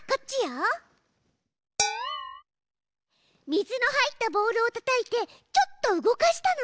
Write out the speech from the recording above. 水の入ったボウルをたたいてちょっと動かしたの。